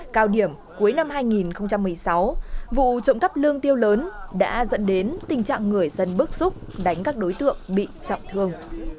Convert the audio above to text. cao điểm cuối năm hai nghìn một mươi sáu vụ trộm cắp lương tiêu lớn đã dẫn đến tình trạng người dân bức xúc đánh các đối tượng bị trọng thương